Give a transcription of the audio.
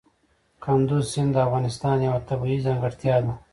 کندز سیند د افغانستان یوه طبیعي ځانګړتیا ده.